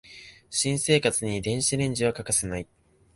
新生活に電子レンジは欠かせない